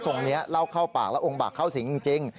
นี้เล่าเข้าปากแล้วองค์บากเข้าสิงจริง